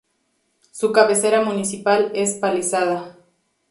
Su cabecera municipal es Palizada.